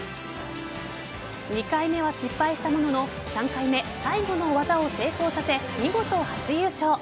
２回目は失敗したものの３回目、最後の技を成功させ見事、初優勝。